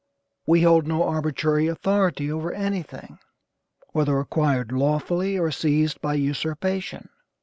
We hold no arbitrary authority over anything, whether acquired lawfully, or seized by usurpation.